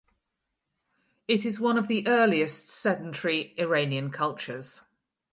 It is one of the earliest sedentary Iranian cultures.